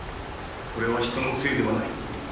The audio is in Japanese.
これは人のせいではない。